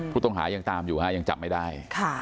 ผู้ต้องหายังตามอยู่ฮะยังจับไม่ได้